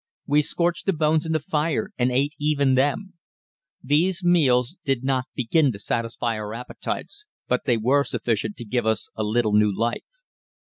We scorched the bones in the fire and ate even them. These meals did not begin to satisfy our appetites, but they were sufficient to give us a little new life.